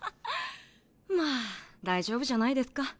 まあ大丈夫じゃないですか。